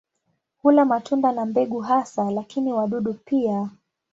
Hula matunda na mbegu hasa, lakini wadudu pia.